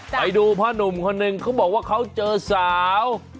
ไปดูพ่อนุ่มคนหนึ่งเขาบอกว่าเขาเจอสาว